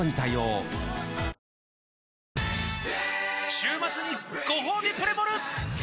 週末にごほうびプレモル！